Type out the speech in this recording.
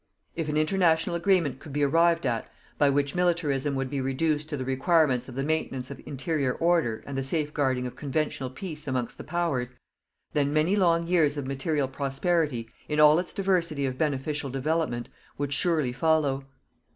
If an international agreement could be arrived at by which militarism would be reduced to the requirements of the maintenance of interior order and the safeguarding of conventional peace amongst the Powers, then many long years of material prosperity, in all its diversity of beneficial development, would surely follow.